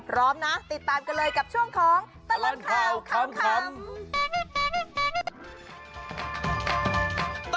พร้อมนะติดตามกันเลยกับช่วงของตลอดข่าวขำ